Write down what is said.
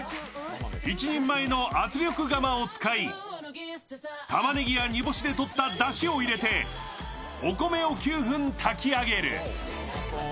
１人前の圧力釜を使い、たまねぎや煮干しでとっただしを入れてお米を９分、炊き上げる。